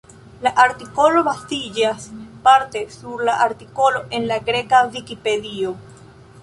La artikolo baziĝas parte sur la artikolo en la greka Vikipedio.